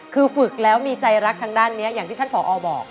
คือฝึกแล้วมีใจรักทางด้านนี้อย่างที่ท่านผอบอก